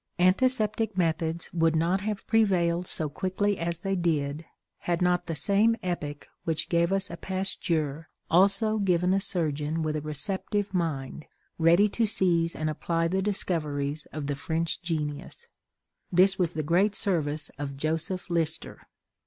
Antiseptic methods would not have prevailed so quickly as they did, had not the same epoch which gave us a Pasteur also given a surgeon with a receptive mind, ready to seize and apply the discoveries of the French genius. This was the great service of Joseph Lister.